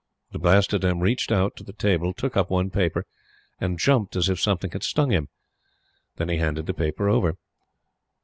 The Blastoderm reached out to the table, took up one paper, and jumped as if something had stung him. Then he handed the paper over.